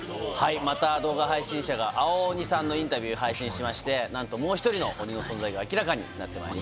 また動画配信者が青鬼さんのインタビュー配信しましてなんともう１人の鬼の存在が明らかになってまいります。